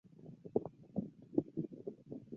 洪武六年随徐达守卫北平。